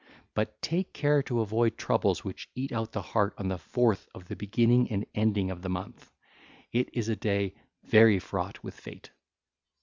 But take care to avoid troubles which eat out the heart on the fourth of the beginning and ending of the month; it is a day very fraught with fate.